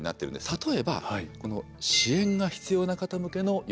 例えばこの「支援が必要な方向けの呼びかけ」